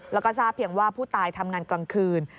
แล้วก็ทราบเพียงว่าผู้ตายทำงานกลางคืน